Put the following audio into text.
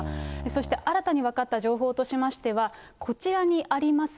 そして、新たに分かった情報としましては、こちらにあります